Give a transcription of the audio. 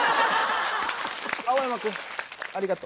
青山君ありがと。